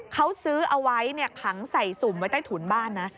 เขาซื้อเอาไว้ขังใส่สุ่มไว้ใต้ถุนบ้านนะ